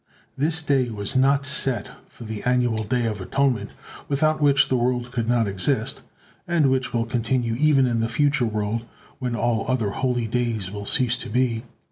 This day was not set for the annual Day of Atonement, without which the world could not exist, and which will continue even in the future world when all other holy days will cease to be.